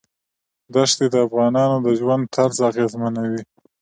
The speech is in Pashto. دښتې د افغانانو د ژوند طرز اغېزمنوي.